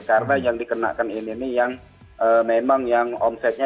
karena yang dikenakan ini memang omsetnya